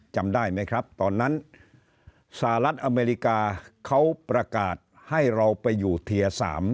จำได้ไหมครับตอนนั้นสหรัฐอเมริกาเขาประกาศให้เราไปอยู่เทียร์๓